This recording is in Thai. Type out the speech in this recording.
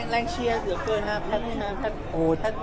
แรงเชียร์เสือเพื่อนนะแพทย์โอ๊ด